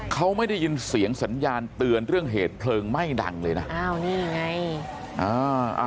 เขาไม่ได้ยินเสียงสัญญาณเตือนเรื่องเหตุเพลิงไหม้ดังเลยนะ